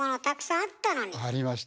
ありました。